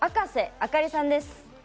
あかりさんです。